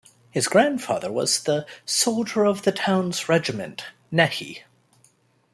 His grandfather was the "soldier of the town's regiment" Nehy.